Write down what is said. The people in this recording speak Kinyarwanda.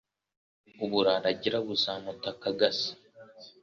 uburara agira buzamuta k' agasi